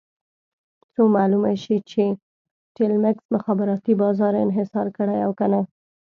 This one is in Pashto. څو معلومه شي چې ټیلمکس مخابراتي بازار انحصار کړی او که نه.